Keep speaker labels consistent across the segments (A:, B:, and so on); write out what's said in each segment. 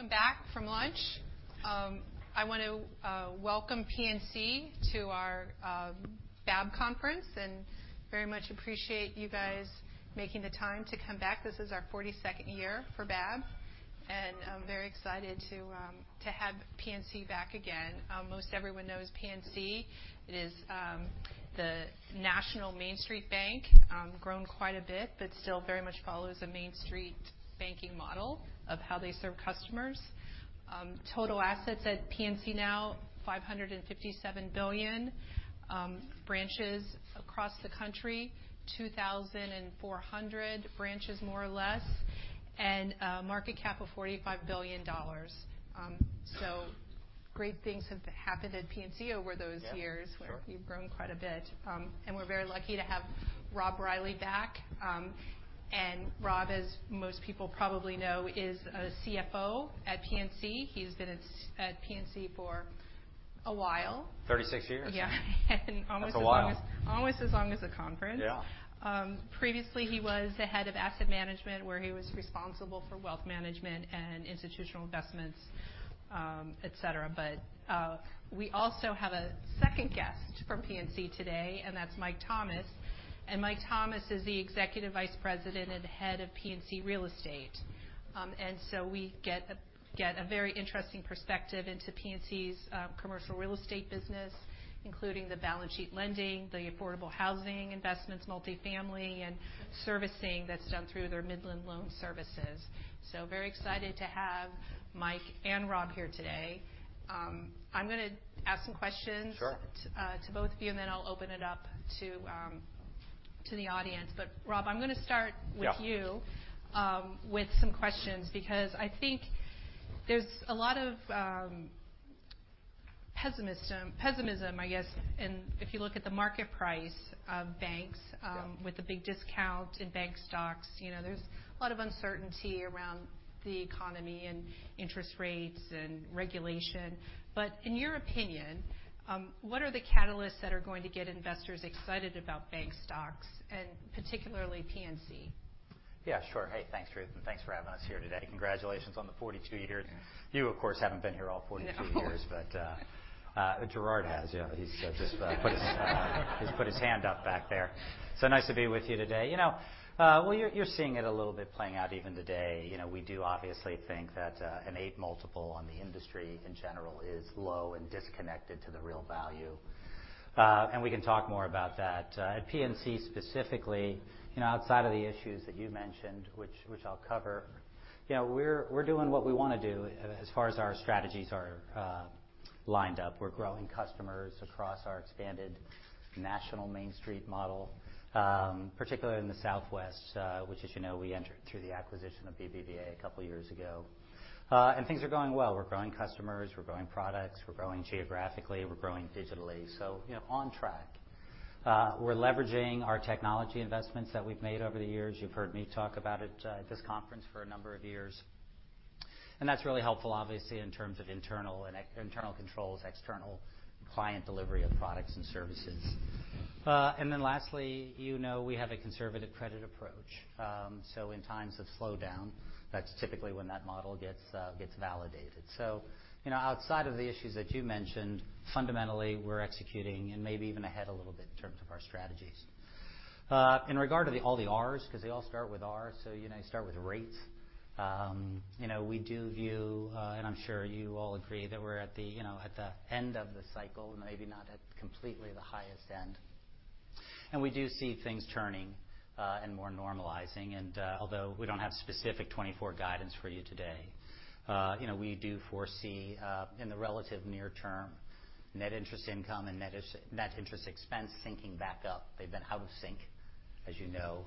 A: Welcome back from lunch. I want to welcome PNC to our BAB conference, and very much appreciate you guys making the time to come back. This is our 42nd year for BAB, and I'm very excited to have PNC back again. Most everyone knows PNC. It is the national Main Street Bank, grown quite a bit, but still very much follows a Main Street banking model of how they serve customers. Total assets at PNC now, $557 billion. Branches across the country, 2,400 branches, more or less, and a market cap of $45 billion. So great things have happened at PNC over those years-
B: Yeah, sure.
A: -where you've grown quite a bit. And we're very lucky to have Rob Reilly back. And Rob, as most people probably know, is a CFO at PNC. He's been at PNC for a while.
B: 36 years.
A: Yeah, and almost as long as-
B: That's a while.
A: Almost as long as the conference.
B: Yeah.
A: Previously, he was the head of asset management, where he was responsible for wealth management and institutional investments, et cetera. But, we also have a second guest from PNC today, and that's Mike Thomas. And Mike Thomas is the Executive Vice President and Head of PNC Real Estate. And so we get a very interesting perspective into PNC's commercial real estate business, including the balance sheet lending, the affordable housing investments, multifamily, and servicing that's done through their Midland Loan Services. So very excited to have Mike and Rob here today. I'm going to ask some questions-
C: Sure.
A: to both of you, and then I'll open it up to the audience. But, Rob, I'm going to start with you.
B: Yeah.
A: with some questions because I think there's a lot of pessimism, I guess, and if you look at the market price of banks-
B: Yeah...
A: with the big discount in bank stocks, you know, there's a lot of uncertainty around the economy and interest rates and regulation. But in your opinion, what are the catalysts that are going to get investors excited about bank stocks and particularly PNC?
B: Yeah, sure. Hey, thanks, Ruth, and thanks for having us here today. Congratulations on the 42 years. You, of course, haven't been here all 42 years-
A: No.
B: But, Gerard has. You know, he's just put his hand up back there. So nice to be with you today. You know, well, you're seeing it a little bit playing out even today. You know, we do obviously think that an eight multiple on the industry in general is low and disconnected to the real value, and we can talk more about that. At PNC, specifically, you know, outside of the issues that you mentioned, which I'll cover, you know, we're doing what we want to do as far as our strategies are lined up. We're growing customers across our expanded national Main Street model, particularly in the Southwest, which, as you know, we entered through the acquisition of BBVA a couple of years ago. And things are going well. We're growing customers, we're growing products, we're growing geographically, we're growing digitally, so, you know, on track. We're leveraging our technology investments that we've made over the years. You've heard me talk about it at this conference for a number of years, and that's really helpful, obviously, in terms of internal and external controls, external client delivery of products and services. And then lastly, you know, we have a conservative credit approach. So in times of slowdown, that's typically when that model gets validated. So, you know, outside of the issues that you mentioned, fundamentally, we're executing and maybe even ahead a little bit in terms of our strategies. In regard to the all the Rs, because they all start with R, so, you know, you start with rates. You know, we do view, and I'm sure you all agree, that we're at the, you know, at the end of the cycle, maybe not at completely the highest end. And we do see things turning, and more normalizing, and, although we don't have specific 2024 guidance for you today, you know, we do foresee, in the relative near term, net interest income and net interest expense syncing back up. They've been out of sync, as you know,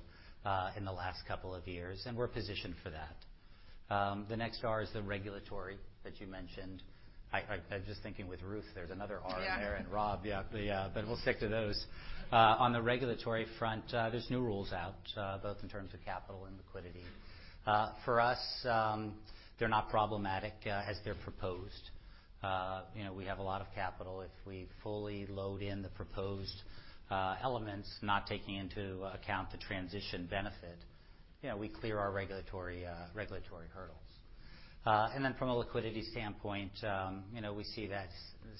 B: in the last couple of years, and we're positioned for that. The next R is the regulatory that you mentioned. I'm just thinking with Ruth, there's another R in there-
A: Yeah.
C: and Rob, yeah, but, but we'll stick to those. On the regulatory front, there's new rules out, both in terms of capital and liquidity. For us, they're not problematic, as they're proposed. You know, we have a lot of capital. If we fully load in the proposed, elements, not taking into account the transition benefit, you know, we clear our regulatory, regulatory hurdles. And then from a liquidity standpoint, you know, we see that,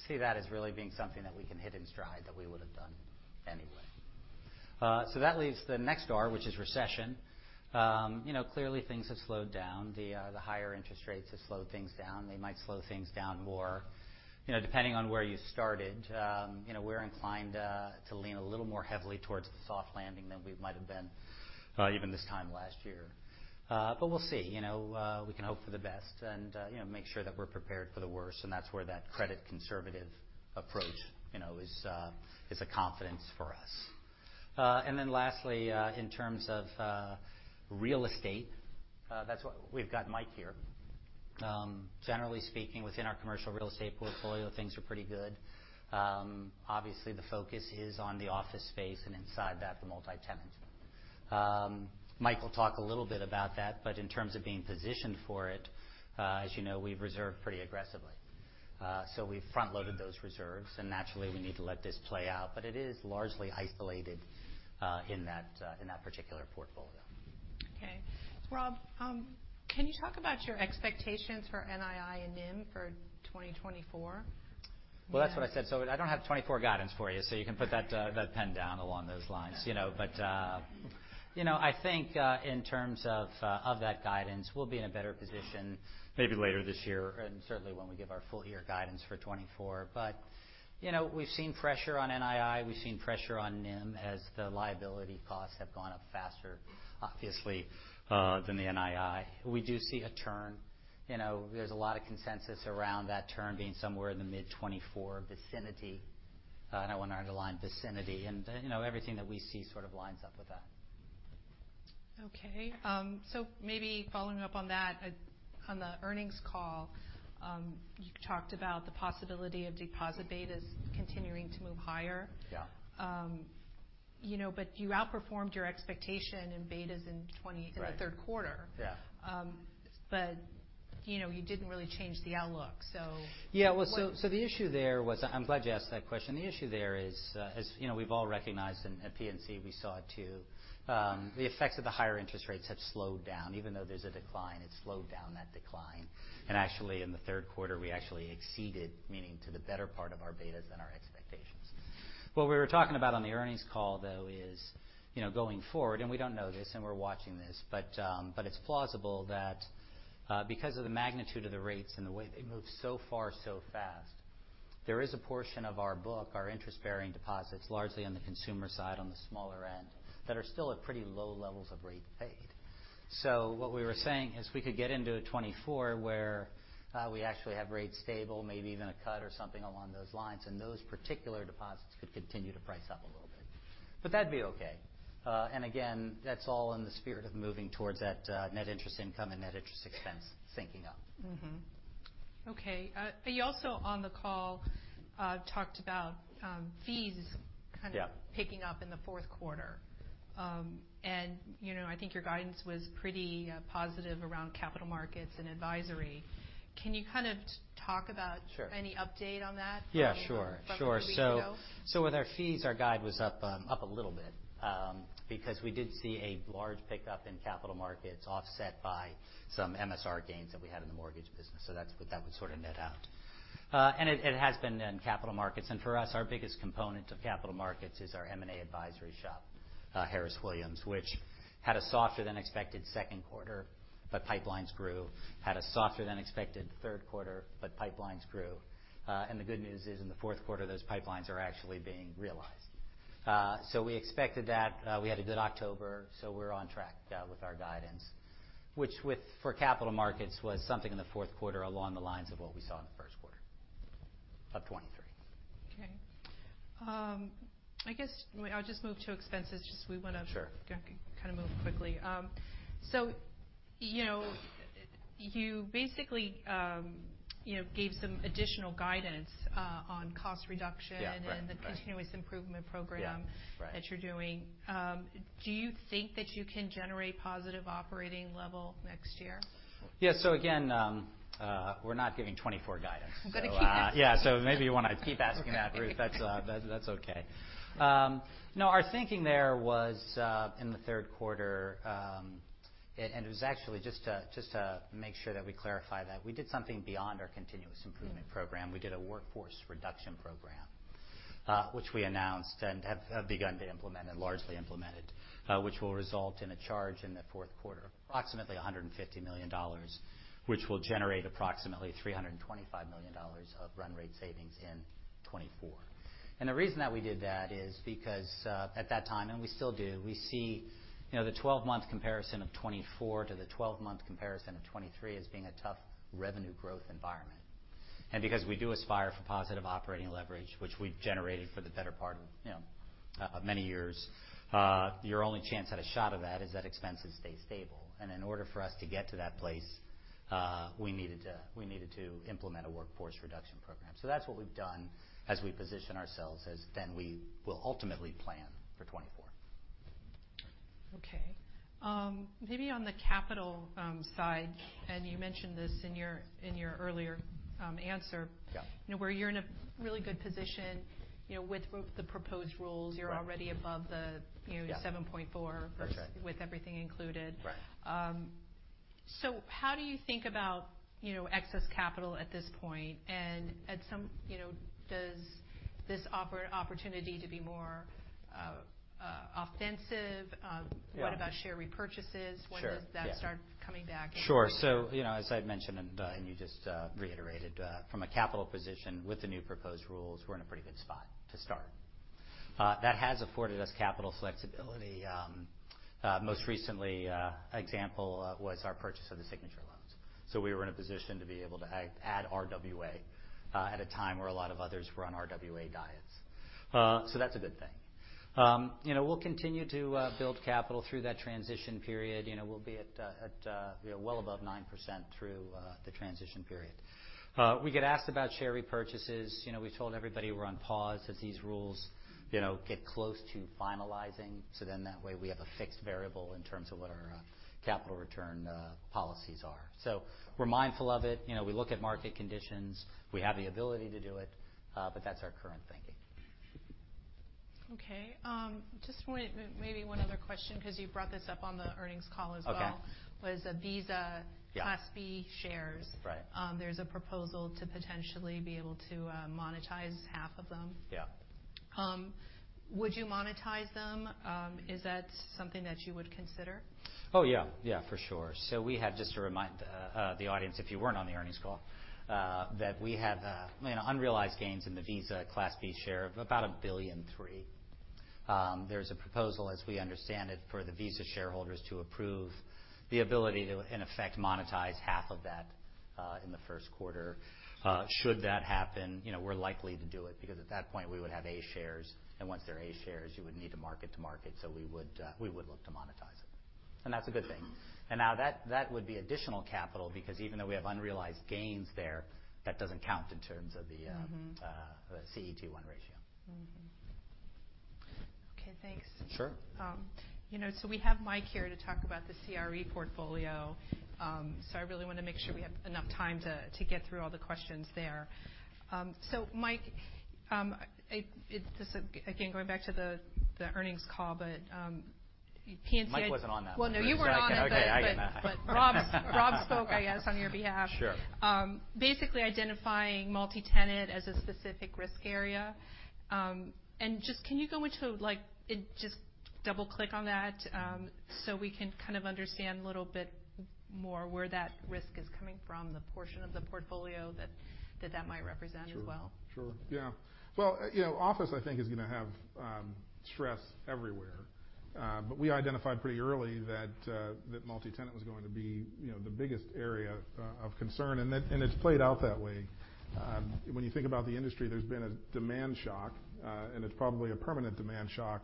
C: see that as really being something that we can hit in stride, that we would have done anyway. So that leaves the next R, which is recession. You know, clearly things have slowed down. The, the higher interest rates have slowed things down. They might slow things down more, you know, depending on where you started. You know, we're inclined to lean a little more heavily towards the soft landing than we might have been even this time last year. But we'll see, you know, we can hope for the best and, you know, make sure that we're prepared for the worse, and that's where that credit conservative approach, you know, is a confidence for us. And then lastly, in terms of real estate, that's what we've got Mike here. Generally speaking, within our commercial real estate portfolio, things are pretty good. Obviously, the focus is on the office space, and inside that, the multi-tenant. Mike will talk a little bit about that, but in terms of being positioned for it, as you know, we've reserved pretty aggressively. So we've front-loaded those reserves, and naturally, we need to let this play out, but it is largely isolated in that particular portfolio.
A: Okay. Rob, can you talk about your expectations for NII and NIM for 2024?
B: Well, that's what I said. So I don't have 2024 guidance for you, so you can put that, that pen down along those lines. You know, but, you know, I think, in terms of, of that guidance, we'll be in a better position maybe later this year and certainly when we give our full year guidance for 2024. But, you know, we've seen pressure on NII, we've seen pressure on NIM as the liability costs have gone up faster, obviously, than the NII. We do see a turn. You know, there's a lot of consensus around that turn being somewhere in the mid-2024 vicinity, and I want to underline vicinity, and, you know, everything that we see sort of lines up with that.
A: Okay. So maybe following up on that, on the earnings call, you talked about the possibility of deposit betas continuing to move higher.
B: Yeah.
A: You know, but you outperformed your expectation in betas in 20-
B: Right.
A: -in the third quarter.
B: Yeah.
A: But, you know, you didn't really change the outlook, so-
B: Yeah. Well, so the issue there was... I'm glad you asked that question. The issue there is, as you know, we've all recognized, and at PNC, we saw it, too, the effects of the higher interest rates have slowed down. Even though there's a decline, it's slowed down that decline. And actually, in the third quarter, we actually exceeded, meaning to the better part of our betas than our expectations. What we were talking about on the earnings call, though, is, you know, going forward, and we don't know this, and we're watching this, but it's plausible that, because of the magnitude of the rates and the way they moved so far so fast, there is a portion of our book, our interest-bearing deposits, largely on the consumer side, on the smaller end, that are still at pretty low levels of rate fade. So what we were saying is we could get into a 2024, where we actually have rates stable, maybe even a cut or something along those lines, and those particular deposits could continue to price up a little bit. But that'd be okay. And again, that's all in the spirit of moving towards that net interest income and net interest expense syncing up.
A: Mm-hmm. Okay. You also, on the call, talked about fees kind of-
B: Yeah
A: -picking up in the fourth quarter. And, you know, I think your guidance was pretty positive around capital markets and advisory. Can you kind of talk about-
B: Sure.
A: Any update on that?
B: Yeah, sure.
A: From a week ago?
B: Sure. So, so with our fees, our guide was up, up a little bit, because we did see a large pickup in capital markets offset by some MSR gains that we had in the mortgage business, so that's, that would sort of net out. And it, it has been in capital markets, and for us, our biggest component of capital markets is our M&A advisory shop, Harris Williams, which had a softer than expected second quarter, but pipelines grew, had a softer than expected third quarter, but pipelines grew. And the good news is, in the fourth quarter, those pipelines are actually being realized. So we expected that. We had a good October, so we're on track with our guidance, which for capital markets was something in the fourth quarter along the lines of what we saw in the first quarter of 2023.
A: Okay. I guess I'll just move to expenses, just we want to-
B: Sure.
A: -kind of move quickly. So, you know, you basically, you know, gave some additional guidance on cost reduction-
B: Yeah, right, right.
A: and the Continuous Improvement Program
B: Yeah, right
A: -that you're doing. Do you think that you can generate positive operating level next year?
B: Yes. So again, we're not giving 2024 guidance.
A: I'm gonna keep-
B: Yeah. Maybe you want to keep asking that, Ruth.
A: Okay.
B: That's okay. No, our thinking there was in the third quarter, and it was actually just to make sure that we clarify that we did something beyond our continuous improvement program.
A: Mm-hmm.
B: We did a workforce reduction program, which we announced and have begun to implement and largely implemented, which will result in a charge in the fourth quarter, approximately $150 million, which will generate approximately $325 million of run rate savings in 2024. And the reason that we did that is because, at that time, and we still do, we see, you know, the twelve-month comparison of 2024 to the twelve-month comparison of 2023 as being a tough revenue growth environment. And because we do aspire for positive operating leverage, which we've generated for the better part of, you know, many years, your only chance at a shot of that is that expenses stay stable. And in order for us to get to that place, we needed to implement a workforce reduction program. So that's what we've done as we position ourselves as then we will ultimately plan for 2024.
A: Okay. Maybe on the capital side, and you mentioned this in your earlier answer-
B: Yeah...
A: where you're in a really good position, you know, with the proposed rules.
B: Right.
A: You're already above the, you know-
B: Yeah
A: 7.4
B: That's right
A: with everything included.
B: Right.
A: So how do you think about, you know, excess capital at this point, and at some, you know, does this offer an opportunity to be more offensive?
B: Yeah.
A: What about share repurchases?
B: Sure, yeah.
A: When does that start coming back?
B: Sure. So, you know, as I'd mentioned, and, and you just, reiterated, from a capital position with the new proposed rules, we're in a pretty good spot to start. That has afforded us capital flexibility. Most recently, example, was our purchase of the Signature loans. So we were in a position to be able to add, add RWA, at a time where a lot of others were on RWA diets. So that's a good thing. You know, we'll continue to, build capital through that transition period. You know, we'll be at, at, well above 9% through, the transition period. We get asked about share repurchases. You know, we told everybody we're on pause as these rules, you know, get close to finalizing, so then that way, we have a fixed variable in terms of what our capital return policies are. So we're mindful of it. You know, we look at market conditions. We have the ability to do it, but that's our current thinking....
A: Okay, just one, maybe one other question, because you brought this up on the earnings call as well.
B: Okay.
A: Was the Visa-
B: Yeah.
A: - Class B shares.
B: Right.
A: There's a proposal to potentially be able to monetize half of them.
B: Yeah.
A: Would you monetize them? Is that something that you would consider?
B: Oh, yeah. Yeah, for sure. So we have just to remind the audience, if you weren't on the earnings call, that we have, you know, unrealized gains in the Visa Class B share of about $1.3 billion. There's a proposal, as we understand it, for the Visa shareholders to approve the ability to, in effect, monetize half of that, in the first quarter. Should that happen, you know, we're likely to do it, because at that point, we would have A shares, and once they're A shares, you would need to mark to market, so we would look to monetize it, and that's a good thing. And now, that would be additional capital, because even though we have unrealized gains there, that doesn't count in terms of the,
A: Mm-hmm...
B: the CET1 ratio.
A: Mm-hmm. Okay, thanks.
B: Sure.
A: You know, so we have Mike here to talk about the CRE portfolio. So I really want to make sure we have enough time to get through all the questions there. So Mike, just, again, going back to the earnings call, but, PNC-
B: Mike wasn't on that one.
A: Well, no, you weren't on it.
B: Okay, I got that.
A: Rob, Rob spoke, I guess, on your behalf.
B: Sure.
A: Basically identifying multi-tenant as a specific risk area. And just, can you go into, like, and just double-click on that, so we can kind of understand a little bit more where that risk is coming from, the portion of the portfolio that might represent as well?
C: Sure. Sure, yeah. Well, you know, office, I think, is going to have stress everywhere. But we identified pretty early that that multi-tenant was going to be, you know, the biggest area of concern, and that and it's played out that way. When you think about the industry, there's been a demand shock, and it's probably a permanent demand shock.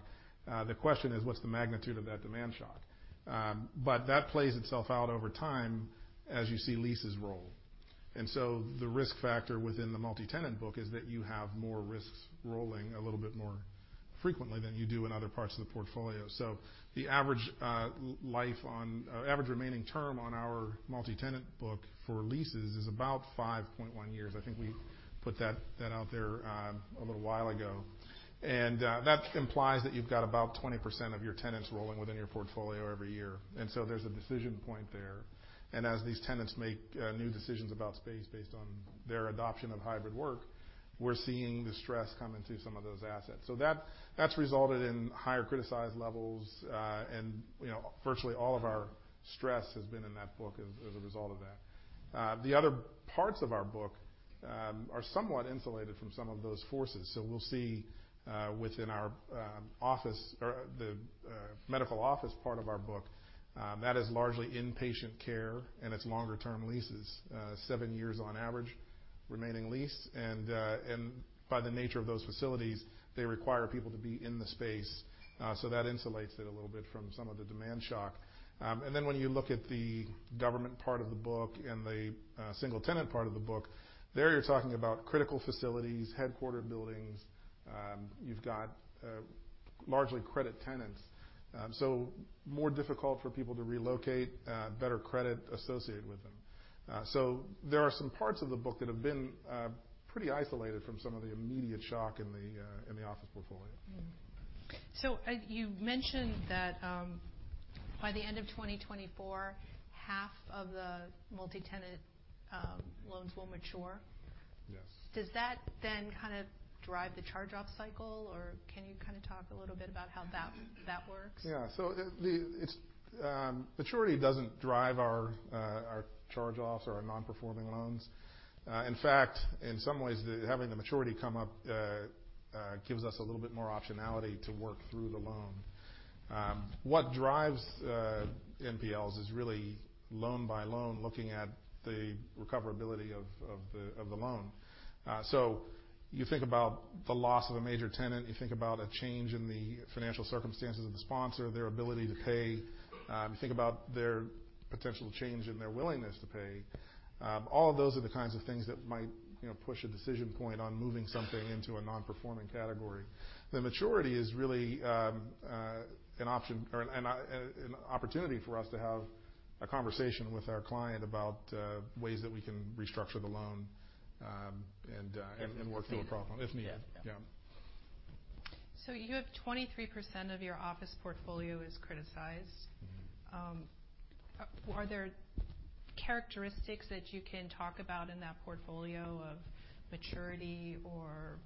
C: The question is: What's the magnitude of that demand shock? But that plays itself out over time as you see leases roll. And so the risk factor within the multi-tenant book is that you have more risks rolling a little bit more frequently than you do in other parts of the portfolio. So the average remaining term on our multi-tenant book for leases is about 5.1 years. I think we put that out there a little while ago. And that implies that you've got about 20% of your tenants rolling within your portfolio every year, and so there's a decision point there. And as these tenants make new decisions about space based on their adoption of hybrid work, we're seeing the stress come into some of those assets. So that's resulted in higher criticized levels, and, you know, virtually all of our stress has been in that book as a result of that. The other parts of our book are somewhat insulated from some of those forces. So we'll see within our office or the medical office part of our book, that is largely inpatient care, and it's longer-term leases, seven years on average, remaining lease. By the nature of those facilities, they require people to be in the space, so that insulates it a little bit from some of the demand shock. Then, when you look at the government part of the book and the single-tenant part of the book, there, you're talking about critical facilities, headquarters buildings. You've got largely credit tenants. So more difficult for people to relocate, better credit associated with them. So there are some parts of the book that have been pretty isolated from some of the immediate shock in the office portfolio.
A: Mm-hmm. So, you mentioned that, by the end of 2024, half of the multi-tenant loans will mature.
C: Yes.
A: Does that then kind of drive the charge-off cycle, or can you kind of talk a little bit about how that works?
C: Yeah. So maturity doesn't drive our charge-offs or our non-performing loans. In fact, in some ways, having the maturity come up gives us a little bit more optionality to work through the loan. What drives NPLs is really loan by loan, looking at the recoverability of the loan. So you think about the loss of a major tenant. You think about a change in the financial circumstances of the sponsor, their ability to pay. You think about their potential change in their willingness to pay. All of those are the kinds of things that might, you know, push a decision point on moving something into a non-performing category. The maturity is really an option or an opportunity for us to have a conversation with our client about ways that we can restructure the loan and work through a problem, if needed.
B: Yeah.
C: Yeah.
A: You have 23% of your office portfolio is criticized.
C: Mm-hmm.
A: Are there characteristics that you can talk about in that portfolio of maturity or,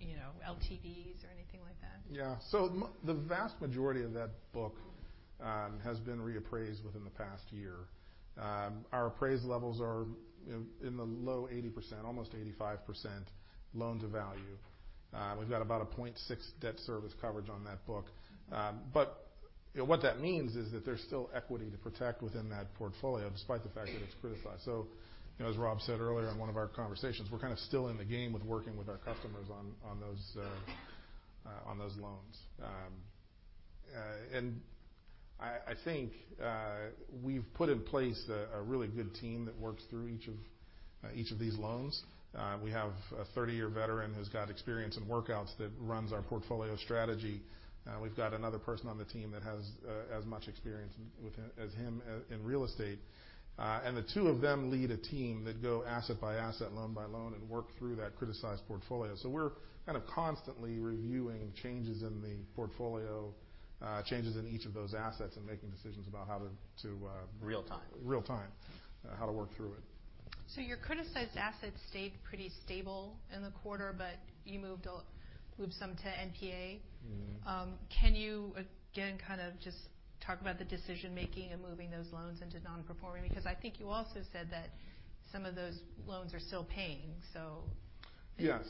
A: you know, LTVs or anything like that?
C: Yeah. So the vast majority of that book has been reappraised within the past year. Our appraised levels are in the low 80%, almost 85% loan-to-value. We've got about a 0.6 debt service coverage on that book. But, you know, what that means is that there's still equity to protect within that portfolio, despite the fact that it's criticized. So, you know, as Rob said earlier in one of our conversations, we're kind of still in the game with working with our customers on those loans. And I think we've put in place a really good team that works through each of these loans. We have a 30-year veteran who's got experience in workouts that runs our portfolio strategy. We've got another person on the team that has as much experience with him as him in real estate. And the two of them lead a team that go asset by asset, loan by loan, and work through that criticized portfolio. So we're kind of constantly reviewing changes in the portfolio, changes in each of those assets, and making decisions about how to to.
B: Real time.
C: Real time, how to work through it.
A: So your criticized assets stayed pretty stable in the quarter, but you moved some to NPA.
C: Mm-hmm.
A: Can you, again, kind of just talk about the decision-making in moving those loans into non-performing? Because I think you also said that some of those loans are still paying, so-
C: Yes.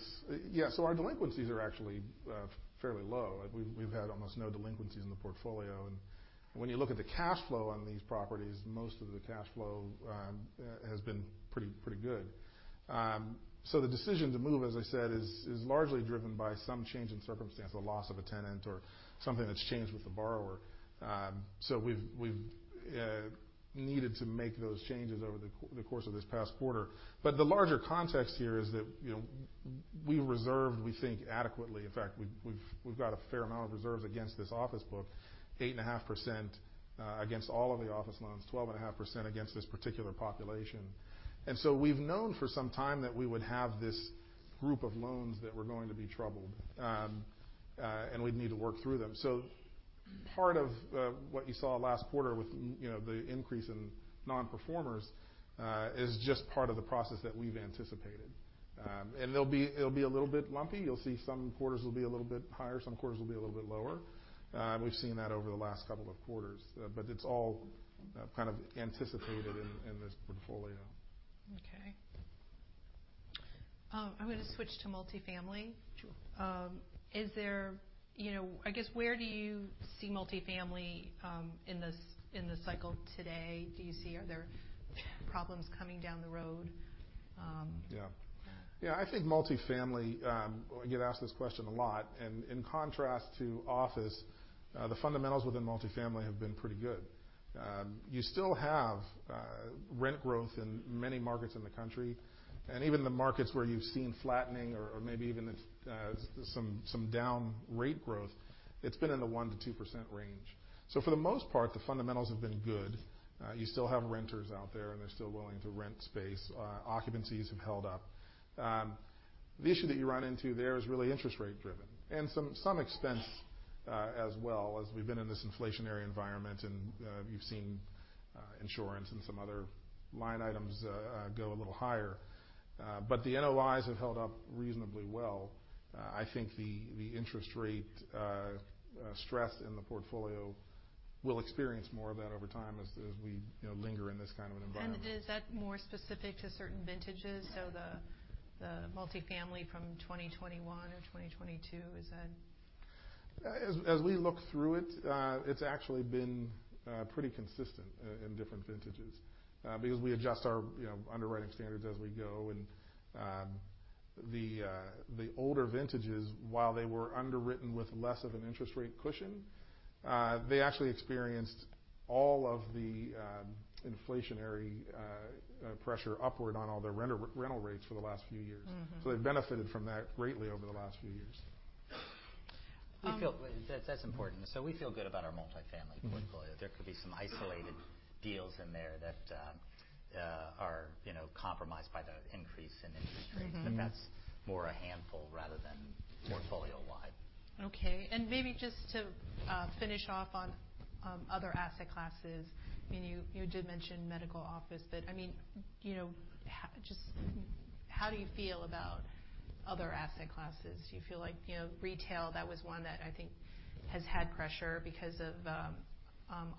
C: Yes, so our delinquencies are actually fairly low. We've had almost no delinquencies in the portfolio. And when you look at the cash flow on these properties, most of the cash flow has been pretty good. So the decision to move, as I said, is largely driven by some change in circumstance, the loss of a tenant or something that's changed with the borrower. So we've needed to make those changes over the course of this past quarter. But the larger context here is that, you know, we reserved, we think, adequately. In fact, we've got a fair amount of reserves against this office book, 8.5% against all of the office loans, 12.5% against this particular population. And so we've known for some time that we would have this group of loans that were going to be troubled, and we'd need to work through them. So part of what you saw last quarter with, you know, the increase in non-performers is just part of the process that we've anticipated. And it'll be a little bit lumpy. You'll see some quarters will be a little bit higher, some quarters will be a little bit lower. We've seen that over the last couple of quarters, but it's all kind of anticipated in this portfolio.
A: Okay. I'm going to switch to multifamily.
C: Sure.
A: Is there... You know, I guess, where do you see multifamily in this-- in the cycle today? Do you see-- are there problems coming down the road?
C: Yeah. Yeah, I think multifamily, I get asked this question a lot, and in contrast to office, the fundamentals within multifamily have been pretty good. You still have rent growth in many markets in the country, and even the markets where you've seen flattening or maybe even some down rate growth, it's been in the 1%-2% range. So for the most part, the fundamentals have been good. You still have renters out there, and they're still willing to rent space. Occupancies have held up. The issue that you run into there is really interest rate driven and some expense, as well, as we've been in this inflationary environment, and you've seen insurance and some other line items go a little higher. But the NOIs have held up reasonably well. I think the interest rate stress in the portfolio will experience more of that over time as we, you know, linger in this kind of an environment.
A: Is that more specific to certain vintages? The multifamily from 2021 or 2022, is that-
C: As we look through it, it's actually been pretty consistent in different vintages. Because we adjust our, you know, underwriting standards as we go. And the older vintages, while they were underwritten with less of an interest rate cushion, they actually experienced all of the inflationary pressure upward on all the rental rates for the last few years.
A: Mm-hmm.
C: They've benefited from that greatly over the last few years.
A: Um-
B: We feel that's important. We feel good about our multifamily portfolio.
C: Mm-hmm.
B: There could be some isolated deals in there that are, you know, compromised by the increase in interest rates.
A: Mm-hmm.
B: But that's more a handful rather than-
C: Yeah...
B: portfolio-wide.
A: Okay. And maybe just to finish off on other asset classes, I mean, you, you did mention medical office, but I mean, you know, just how do you feel about other asset classes? Do you feel like, you know, retail, that was one that I think has had pressure because of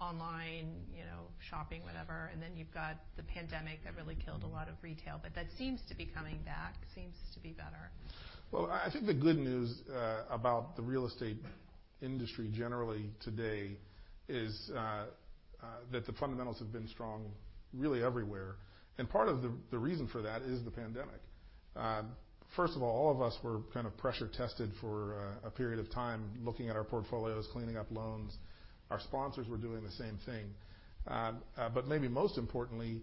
A: online, you know, shopping, whatever, and then you've got the pandemic that really killed a lot of retail, but that seems to be coming back, seems to be better.
C: Well, I think the good news about the real estate industry generally today is that the fundamentals have been strong really everywhere. And part of the reason for that is the pandemic. First of all, all of us were kind of pressure tested for a period of time, looking at our portfolios, cleaning up loans. Our sponsors were doing the same thing. But maybe most importantly,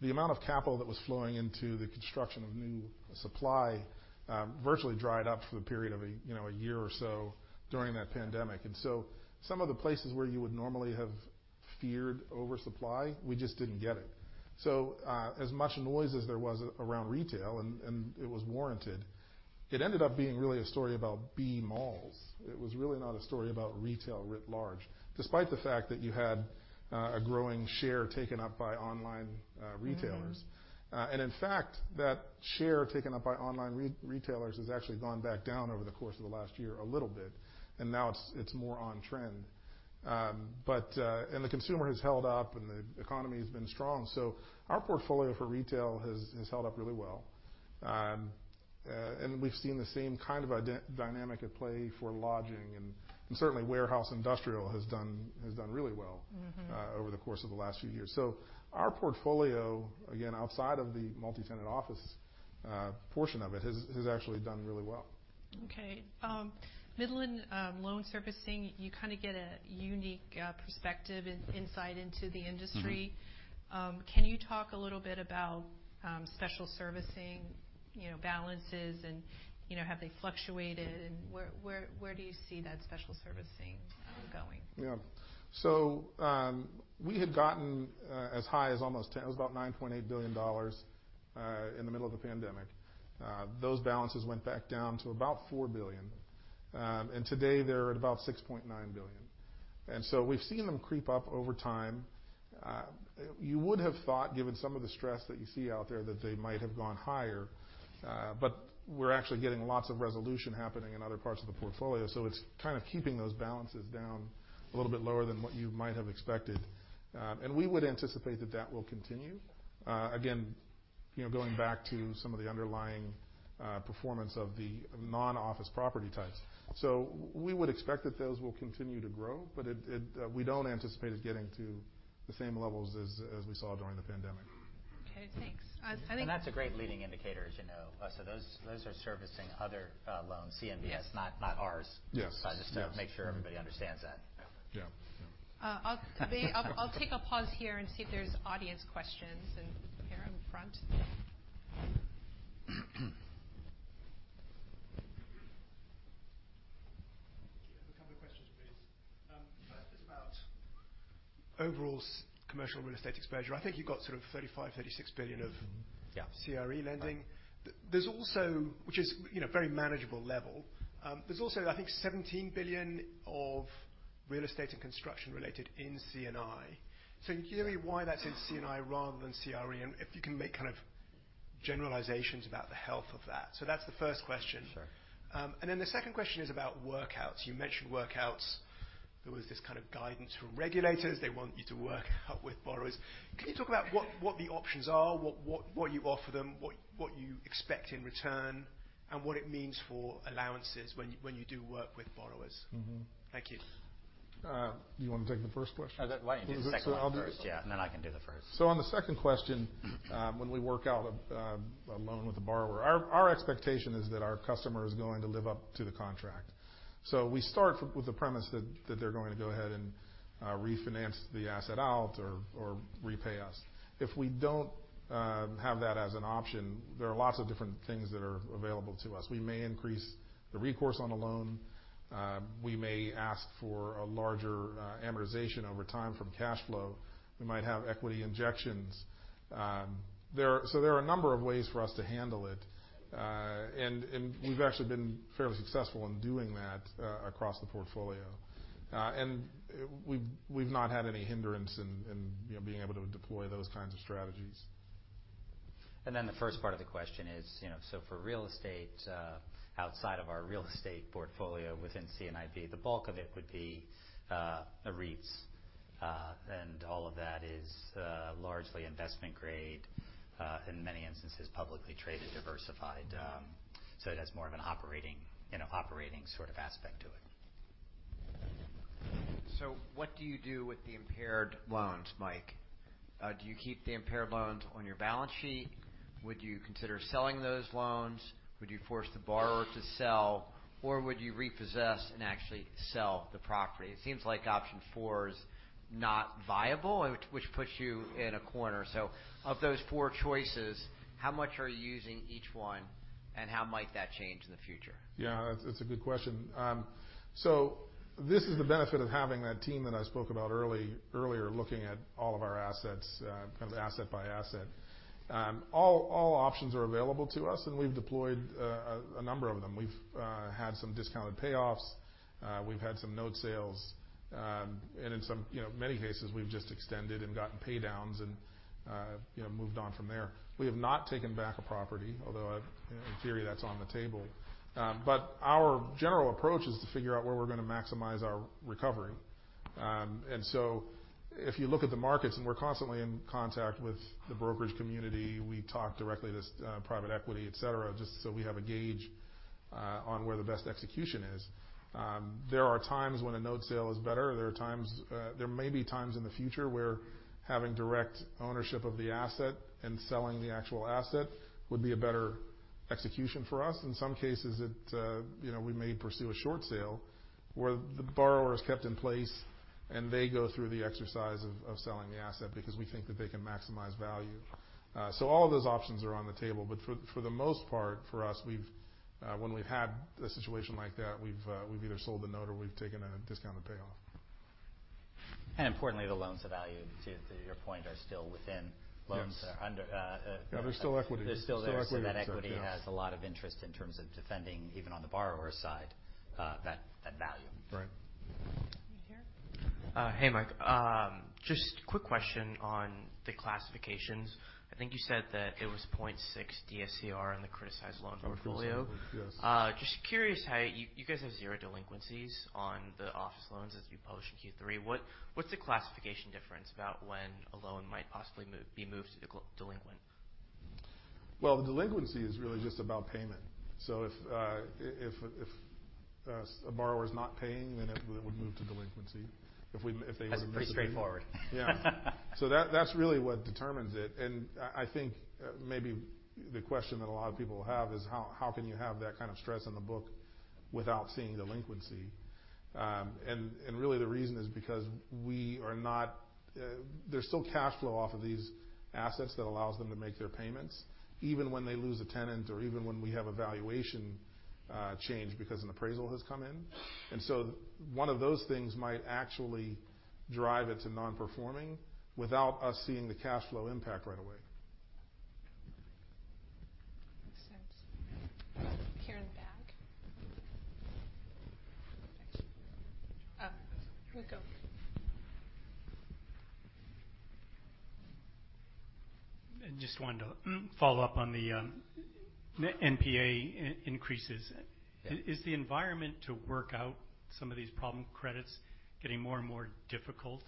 C: the amount of capital that was flowing into the construction of new supply virtually dried up for the period of a, you know, a year or so during that pandemic. And so some of the places where you would normally have feared oversupply, we just didn't get it. So, as much noise as there was around retail, and it was warranted, it ended up being really a story about B malls. It was really not a story about retail writ large, despite the fact that you had a growing share taken up by online retailers.
A: Mm-hmm.
C: And in fact, that share taken up by online retailers has actually gone back down over the course of the last year a little bit, and now it's more on trend. But the consumer has held up, and the economy has been strong, so our portfolio for retail has held up really well. And we've seen the same kind of dynamic at play for lodging, and certainly warehouse industrial has done really well.
A: Mm-hmm...
C: over the course of the last few years. So our portfolio, again, outside of the multi-tenant office sector portion of it has actually done really well.
A: Okay. Midland Loan Services, you kind of get a unique perspective and insight into the industry.
C: Mm-hmm.
A: Can you talk a little bit about special servicing, you know, balances and, you know, have they fluctuated, and where do you see that special servicing going?
C: Yeah. So, we had gotten, as high as almost ten—it was about $9.8 billion, in the middle of the pandemic. Those balances went back down to about $4 billion. And today they're at about $6.9 billion. And so we've seen them creep up over time. You would have thought, given some of the stress that you see out there, that they might have gone higher. But we're actually getting lots of resolution happening in other parts of the portfolio, so it's kind of keeping those balances down a little bit lower than what you might have expected. And we would anticipate that that will continue. Again, you know, going back to some of the underlying, performance of the non-office property types. So we would expect that those will continue to grow, but we don't anticipate it getting to the same levels as we saw during the pandemic.
A: Okay, thanks. I think-
B: That's a great leading indicator, as you know. So those are servicing other loans, CMBS, not ours.
C: Yes. Yes.
B: Just to make sure everybody understands that.
C: Yeah. Yeah.
A: I'll take a pause here and see if there's audience questions. And here in front.
D: A couple of questions, please. First is about overall commercial real estate exposure. I think you've got sort of $35 billion-$36 billion of-
C: Yeah.
D: CRE lending. There's also, which is, you know, very manageable level. There's also, I think, $17 billion of real estate and construction related in C&I.
C: Mm-hmm.
B: So can you tell me why that's in C&I rather than CRE, and if you can make kind of generalizations about the health of that? So that's the first question.
C: Sure.
B: And then the second question is about workouts. You mentioned workouts. There was this kind of guidance from regulators. They want you to work out with borrowers. Can you talk about what the options are, what you offer them, what you expect in return, and what it means for allowances when you do work with borrowers?
C: Mm-hmm.
B: Thank you.
C: You want to take the first question?
B: Why don't you do the second one first?
C: So I'll do-
B: Yeah, and then I can do the first.
C: On the second question-
B: Mm-hmm.
C: When we work out a loan with a borrower, our expectation is that our customer is going to live up to the contract. So we start with the premise that they're going to go ahead and refinance the asset out or repay us. If we don't have that as an option, there are lots of different things that are available to us. We may increase the recourse on a loan. We may ask for a larger amortization over time from cash flow. We might have equity injections. So there are a number of ways for us to handle it. And we've actually been fairly successful in doing that across the portfolio. And we've not had any hindrance in you know being able to deploy those kinds of strategies.
B: And then the first part of the question is, you know, so for real estate, outside of our real estate portfolio within C&IB, the bulk of it would be, the REITs. And all of that is, largely investment grade, in many instances, publicly traded, diversified. So it has more of an operating, you know, operating sort of aspect to it. So what do you do with the impaired loans, Mike? Do you keep the impaired loans on your balance sheet? Would you consider selling those loans? Would you force the borrower to sell, or would you repossess and actually sell the property? It seems like option four is not viable, which puts you in a corner. So of those four choices, how much are you using each one, and how might that change in the future?
C: Yeah, that's a good question. So this is the benefit of having that team that I spoke about earlier, looking at all of our assets, kind of asset by asset. All options are available to us, and we've deployed a number of them. We've had some discounted payoffs, we've had some note sales, and in some, you know, many cases, we've just extended and gotten pay downs and, you know, moved on from there. We have not taken back a property, although in theory, that's on the table. But our general approach is to figure out where we're going to maximize our recovery. And so if you look at the markets, and we're constantly in contact with the brokerage community, we talk directly to private equity, et cetera, just so we have a gauge on where the best execution is. There are times when a note sale is better. There are times, there may be times in the future where having direct ownership of the asset and selling the actual asset would be a better execution for us. In some cases, it, you know, we may pursue a short sale, where the borrower is kept in place, and they go through the exercise of selling the asset because we think that they can maximize value. So all of those options are on the table, but for the most part, for us, when we've had a situation like that, we've either sold the note or we've taken a discounted payoff.
B: Importantly, the loans of value, to, to your point, are still within-
C: Yes...
B: loans that are under
C: Yeah, there's still equity.
B: There's still equity.
C: Still equity, yeah.
B: So that equity has a lot of interest in terms of defending, even on the borrower's side, that value.
C: Right.
A: Here.
D: Hey, Mike. Just quick question on the classifications. I think you said that it was 0.6 DSCR on the criticized loan portfolio.
C: Yes.
D: Just curious how... You guys have zero delinquencies on the office loans as you published in Q3. What's the classification difference about when a loan might possibly move, be moved to delinquent?
C: Well, delinquency is really just about payment. So if a borrower is not paying, then it would move to delinquency. If we, if they-
B: That's pretty straightforward.
C: Yeah. So that's really what determines it. And I think maybe the question that a lot of people have is how can you have that kind of stress on the book without seeing delinquency? And really the reason is because there's still cash flow off of these assets that allows them to make their payments, even when they lose a tenant or even when we have a valuation change because an appraisal has come in. And so one of those things might actually drive it to non-performing without us seeing the cash flow impact right away.
A: Makes sense. Here in the back. Here we go.
D: I just wanted to follow up on the NPA increases.
C: Yeah.
D: Is the environment to work out some of these problem credits getting more and more difficult,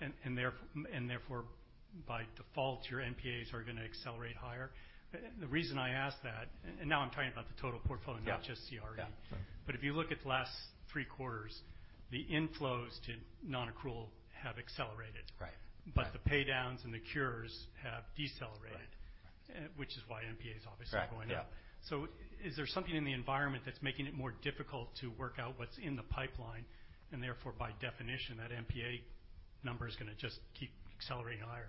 D: and therefore, by default, your NPAs are going to accelerate higher? The reason I ask that, and now I'm talking about the total portfolio-
B: Yeah.
D: -not just CRE.
C: Yeah.
D: If you look at the last three quarters, the inflows to nonaccrual have accelerated.
B: Right.
D: The paydowns and the cures have decelerated-
C: Right.
D: which is why NPA is obviously going up.
B: Right. Yeah.
D: So is there something in the environment that's making it more difficult to work out what's in the pipeline, and therefore, by definition, that NPA number is going to just keep accelerating higher?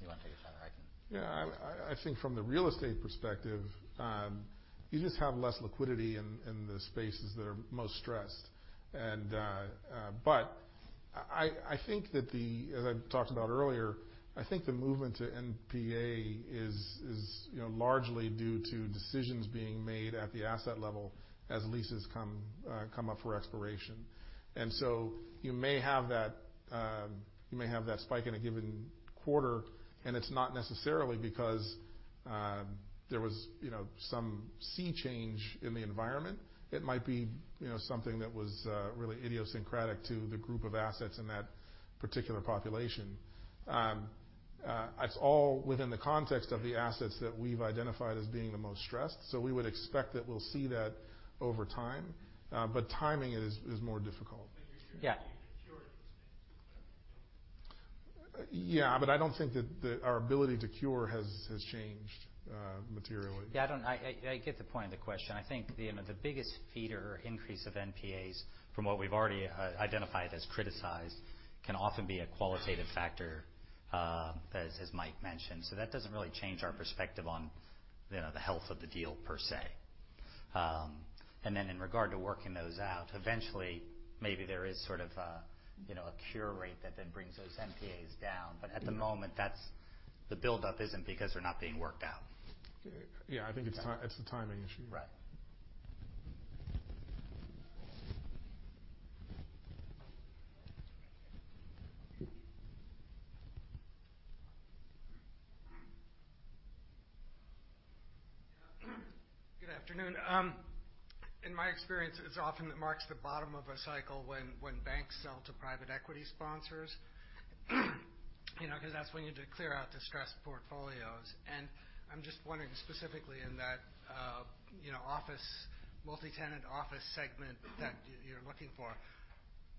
B: You want to take a shot, or I can?
C: Yeah, I think from the real estate perspective, you just have less liquidity in the spaces that are most stressed. But I think that, as I talked about earlier, I think the movement to NPA is, you know, largely due to decisions being made at the asset level as leases come up for expiration. And so you may have that spike in a given quarter, and it's not necessarily because there was, you know, some sea change in the environment. It might be, you know, something that was really idiosyncratic to the group of assets in that particular population. It's all within the context of the assets that we've identified as being the most stressed, so we would expect that we'll see that over time. But timing is more difficult.
D: Yeah.
C: Yeah, but I don't think that our ability to cure has changed materially.
B: Yeah, I get the point of the question. I think the, you know, the biggest feeder or increase of NPAs from what we've already identified as criticized, can often be a qualitative factor, as Mike mentioned. So that doesn't really change our perspective on, you know, the health of the deal per se. And then in regard to working those out, eventually, maybe there is sort of a, you know, a cure rate that then brings those NPAs down.
C: Yeah.
B: But at the moment, that's the buildup isn't because they're not being worked out.
C: Yeah, I think it's a timing issue.
B: Right.
E: Good afternoon. In my experience, it's often that marks the bottom of a cycle when banks sell to private equity sponsors, you know, because that's when you need to clear out distressed portfolios. And I'm just wondering, specifically in that, you know, office, multi-tenant office segment that you're looking for,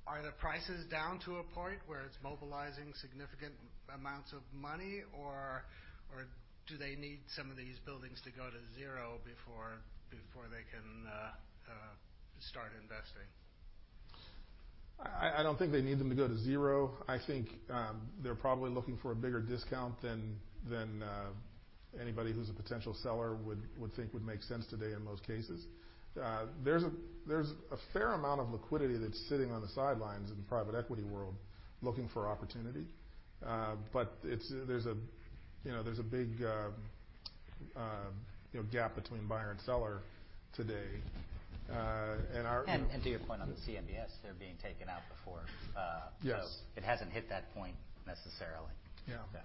E: are the prices down to a point where it's mobilizing significant amounts of money, or do they need some of these buildings to go to zero before they can start investing?
C: I don't think they need them to go to zero. I think they're probably looking for a bigger discount than anybody who's a potential seller would think would make sense today in most cases. There's a fair amount of liquidity that's sitting on the sidelines in the private equity world, looking for opportunity. But it's, you know, there's a big gap between buyer and seller today, and our-
B: And to your point on the CMBS, they're being taken out before,
C: Yes.
B: So it hasn't hit that point necessarily.
C: Yeah.
B: Yeah.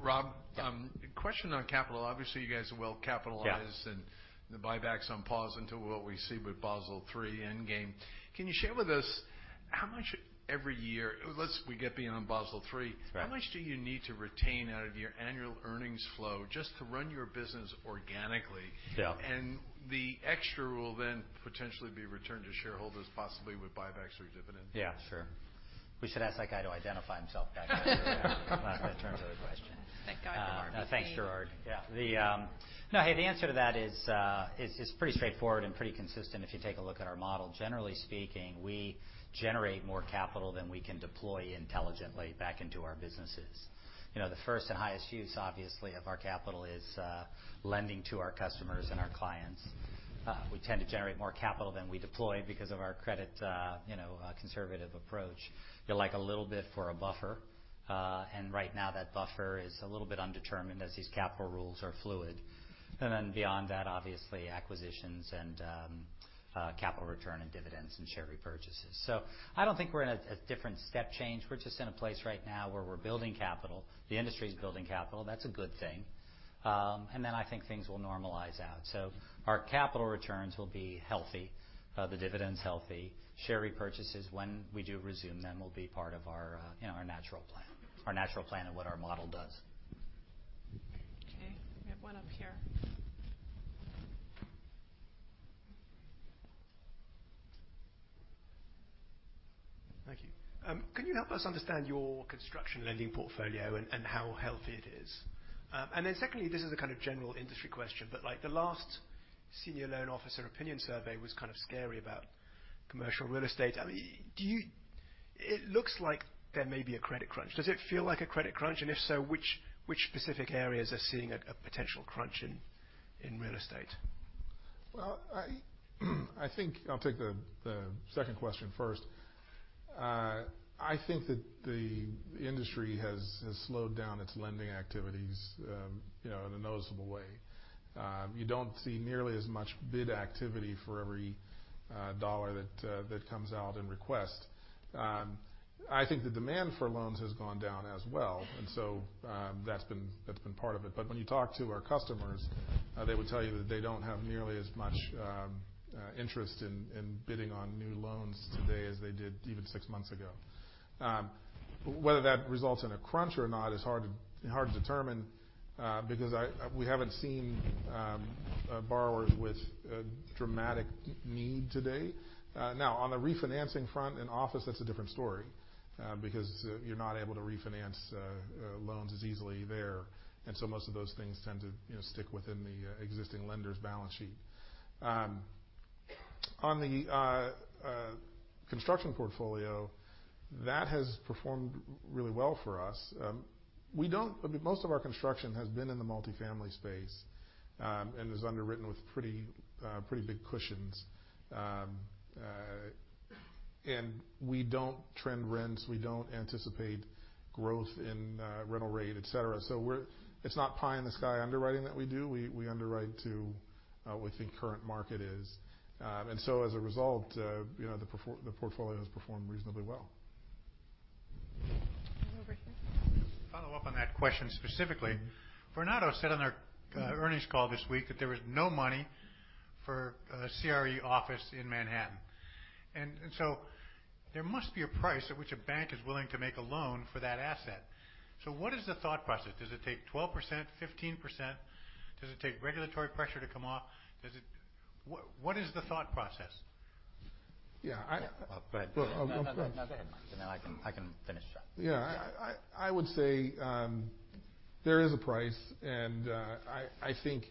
F: Rob?
B: Yeah.
F: Question on capital. Obviously, you guys are well capitalized-
B: Yeah.
F: the buyback's on pause until what we see with Basel III Endgame. Can you share with us how much every year, let's we get beyond Basel III-
B: Right.
F: How much do you need to retain out of your annual earnings flow just to run your business organically?
B: Yeah.
F: The extra will then potentially be returned to shareholders, possibly with buybacks or dividends.
B: Yeah, sure. We should ask that guy to identify himself back there, after I turn to the question.
A: Thank God for-
B: Thanks, Gerard.
F: Yeah.
B: The answer to that is pretty straightforward and pretty consistent if you take a look at our model. Generally speaking, we generate more capital than we can deploy intelligently back into our businesses. You know, the first and highest use, obviously, of our capital is lending to our customers and our clients. We tend to generate more capital than we deploy because of our credit, you know, conservative approach. You like a little bit for a buffer, and right now, that buffer is a little bit undetermined as these capital rules are fluid. And then beyond that, obviously, acquisitions and capital return and dividends and share repurchases. So I don't think we're in a different step change. We're just in a place right now where we're building capital. The industry is building capital. That's a good thing. And then I think things will normalize out. So our capital returns will be healthy, the dividends healthy. Share repurchases, when we do resume them, will be part of our, you know, our natural plan, our natural plan of what our model does.
A: Okay, we have one up here. ...
F: Thank you. Can you help us understand your construction lending portfolio and how healthy it is? And then secondly, this is a kind of general industry question, but, like, the last Senior Loan Officer Opinion Survey was kind of scary about commercial real estate. I mean, do you-- it looks like there may be a credit crunch. Does it feel like a credit crunch? And if so, which specific areas are seeing a potential crunch in real estate?
C: Well, I think I'll take the second question first. I think that the industry has slowed down its lending activities, you know, in a noticeable way. You don't see nearly as much bid activity for every dollar that comes out in request. I think the demand for loans has gone down as well, and so, that's been part of it. But when you talk to our customers, they will tell you that they don't have nearly as much interest in bidding on new loans today as they did even six months ago. Whether that results in a crunch or not is hard to determine, because we haven't seen borrowers with a dramatic need today. Now, on the refinancing front and office, that's a different story, because you're not able to refinance loans as easily there, and so most of those things tend to, you know, stick within the existing lender's balance sheet. On the construction portfolio, that has performed really well for us. We don't-- I mean, most of our construction has been in the multifamily space, and is underwritten with pretty pretty big cushions. And we don't trend rents. We don't anticipate growth in rental rate, et cetera. So we're-- It's not pie in the sky underwriting that we do. We underwrite to, we think current market is. And so as a result, you know, the portfolio has performed reasonably well.
A: Over here.
G: Follow up on that question specifically. Vornado said on our earnings call this week that there was no money for CRE office in Manhattan. And so there must be a price at which a bank is willing to make a loan for that asset. So what is the thought process? Does it take 12%, 15%? Does it take regulatory pressure to come off? What is the thought process?
C: Yeah, I-
B: Yeah.
C: Oh, go ahead.
B: No, no, go ahead, Mike, and then I can, I can finish up.
C: Yeah. I would say there is a price, and I think,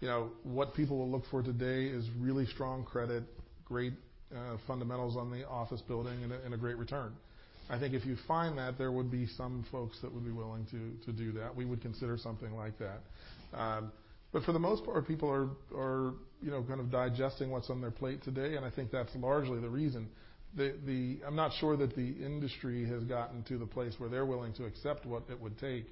C: you know, what people will look for today is really strong credit, great fundamentals on the office building and a great return. I think if you find that, there would be some folks that would be willing to do that. We would consider something like that. But for the most part, people are, you know, kind of digesting what's on their plate today, and I think that's largely the reason. I'm not sure that the industry has gotten to the place where they're willing to accept what it would take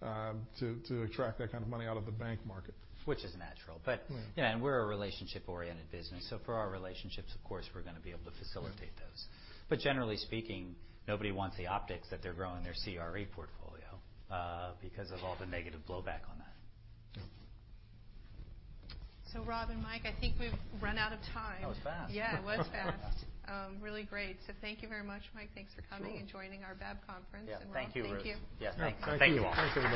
C: to attract that kind of money out of the bank market.
B: Which is natural.
C: Yeah.
B: But, you know, and we're a relationship-oriented business, so for our relationships, of course, we're gonna be able to facilitate those. But generally speaking, nobody wants the optics that they're growing their CRE portfolio, because of all the negative blowback on that.
C: Yeah.
A: Rob and Mike, I think we've run out of time.
B: That was fast.
A: Yeah, it was fast. Really great. So thank you very much, Mike. Thanks for coming-
C: Sure.
A: And joining our BAB conference.
B: Yeah.
A: Rob, thank you.
B: Yes, thanks. Thank you all.
G: Thank you very much.